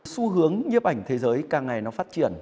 xu hướng nhiếp ảnh thế giới càng ngày nó phát triển